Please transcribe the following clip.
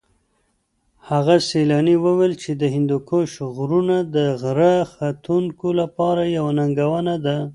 هغه سېلاني وویل چې د هندوکش غرونه د غره ختونکو لپاره یوه ننګونه ده.